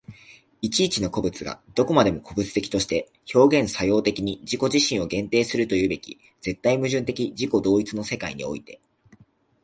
一々の個物がどこまでも個物的として表現作用的に自己自身を限定するというべき絶対矛盾的自己同一の世界において、